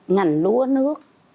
ngành lúa nước